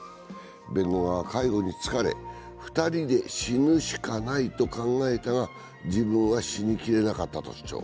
弁護側、介護に疲れ、２人で死ぬしかないと考えたが、自分は死に切れなかったと主張。